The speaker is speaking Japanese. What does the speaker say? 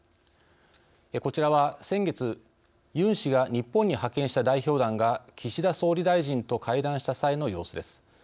こちらは、先月ユン氏が日本に派遣した代表団が岸田総理大臣と会談した際の様子です。